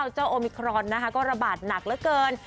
โอมิครอนนะคะก็ระบาดหนักเหลือเกิน